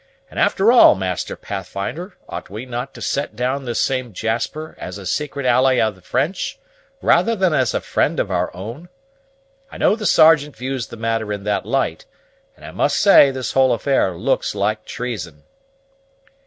And, after all, Master Pathfinder, ought we not to set down this same Jasper as a secret ally of the French, rather than as a friend of our own? I know the Sergeant views the matter in that light; and I must say this whole affair looks like treason."